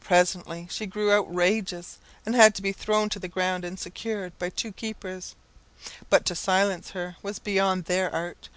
Presently she grew outrageous, and had to be thrown to the ground, and secured by two keepers; but to silence her was beyond their art.